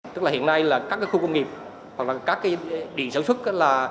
tức là hiện nay là các khu công nghiệp hoặc là các địa dấu thức